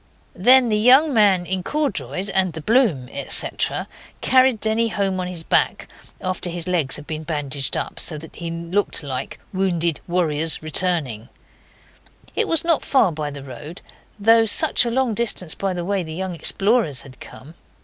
Then the young man in corduroys and the bloom, etc., carried Denny home on his back, after his legs had been bandaged up, so that he looked like 'wounded warriors returning'. It was not far by the road, though such a long distance by the way the young explorers had come.